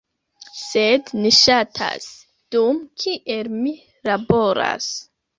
sed ni ŝatas, dum kiel mi laboras